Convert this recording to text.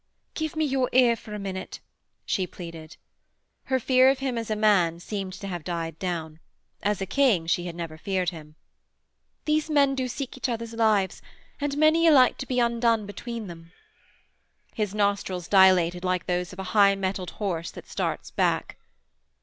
'Give me your ear for a minute,' she pleaded. Her fear of him as a man seemed to have died down. As a king she had never feared him. 'These men do seek each other's lives, and many are like to be undone between them.' His nostrils dilated like those of a high mettled horse that starts back.